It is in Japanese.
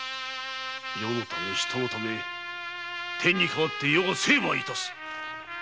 世のため人のため天に代わって成敗いたす！